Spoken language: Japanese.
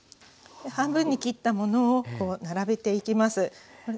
半分に切ったものを並べていきます。